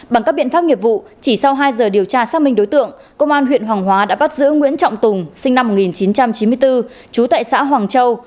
bằng các biện pháp nghiệp vụ chỉ sau hai giờ điều tra xác minh đối tượng công an huyện hoàng hóa đã bắt giữ nguyễn trọng tùng sinh năm một nghìn chín trăm chín mươi bốn trú tại xã hoàng châu